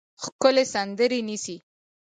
ښکلې سندرې نیسي